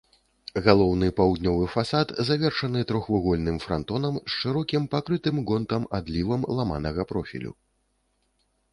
Галоўны паўднёвы фасад завершаны трохвугольным франтонам з шырокім, пакрытым гонтам адлівам ламанага профілю.